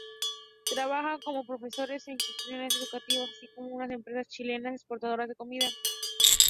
Trabajan como profesores en instituciones educativas, así como en empresas chilenas exportadoras de comida.